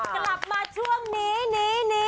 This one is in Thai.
กลับมาช่วงนี้นี้